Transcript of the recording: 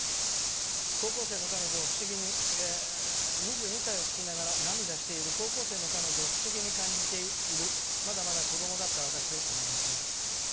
高校生の彼女は「２２歳」を聴きながら涙している高校生の彼女を不思議に感じているまだまだ子どもだった私を思い出します」。